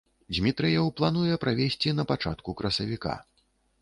Дзмітрыеў плануе правесці на пачатку красавіка.